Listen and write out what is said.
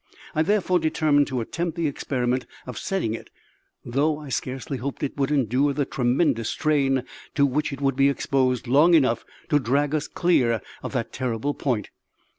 I therefore determined to attempt the experiment of setting it, though I scarcely hoped it would endure the tremendous strain to which it would be exposed long enough to drag us clear of that terrible point.